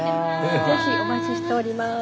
是非お待ちしております。